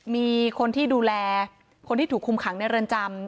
มีคนที่ดูแลคนที่ถูกคุมขังในเรือนจำ